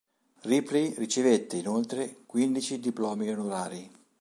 Ripley ricevette, inoltre, quindici diplomi onorari.